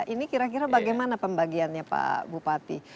ini kira kira bagaimana pembagiannya pak bupati